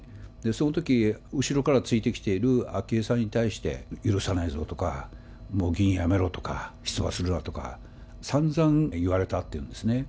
そのとき、後ろからついてきてる昭恵さんに対して、許さないぞとか、もう議員辞めろとか、出馬するなとか、さんざん言われたって言うんですね。